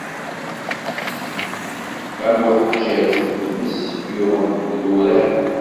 Am uḥeǧǧaǧu n tmes yuɣen deg yidurar.